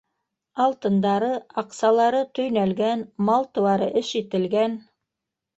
Алтындары, аҡсалары төйнәлгән, мал-тыуары эш ителгән.